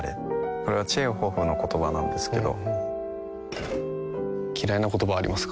これはチェーホフの言葉なんですけど嫌いな言葉はありますか？